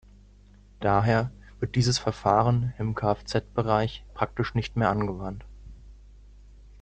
Daher wird dieses Verfahren im Kfz-Bereich praktisch nicht mehr angewandt.